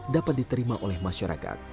dapat diterima oleh masyarakat